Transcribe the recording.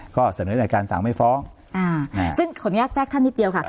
ก็เสนอในการสั่งไม่ฟ้องซึ่งขออนุญาตแทรกท่านนิดเดียวค่ะ